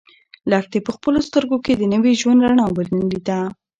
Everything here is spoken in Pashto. لښتې په خپلو سترګو کې د نوي ژوند رڼا ونه لیده.